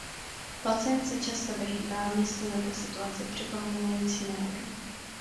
Pacient se často vyhýbá místu nebo situaci připomínající nehodu.